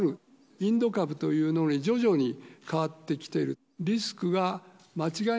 インド株というのに徐々に変わってきている。